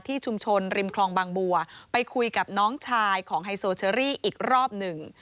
ชุมชนริมคลองบางบัวไปคุยกับน้องชายของไฮโซเชอรี่อีกรอบหนึ่ง